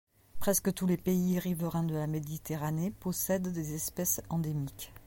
Presque tous les pays riverains de la Méditerranée possèdent des espèces endémiques.